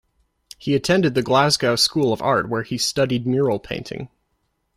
He attended the Glasgow School of Art where he studied mural painting.